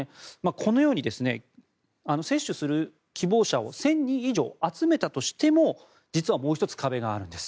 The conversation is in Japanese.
このように接種する希望者を１０００人以上集めたとしても実はもう１つ壁があるんです。